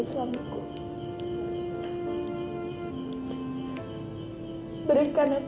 tidak mau memimpinnya